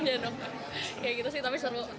jane kayak gitu sih tapi seru